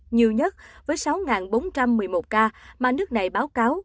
nhiều nhất với sáu bốn trăm một mươi một ca mà nước này báo cáo